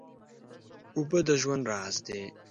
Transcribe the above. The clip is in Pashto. اوبه د ژوند راز دی.